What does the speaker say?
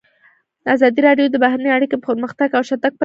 ازادي راډیو د بهرنۍ اړیکې پرمختګ او شاتګ پرتله کړی.